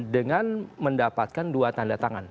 dengan mendapatkan dua tanda tangan